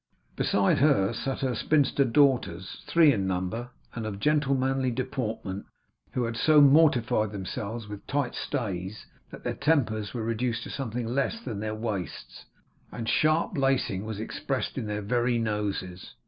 Beside her sat her spinster daughters, three in number, and of gentlemanly deportment, who had so mortified themselves with tight stays, that their tempers were reduced to something less than their waists, and sharp lacing was expressed in their very noses.